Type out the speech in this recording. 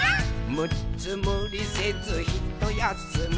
「むっつむりせずひとやすみ」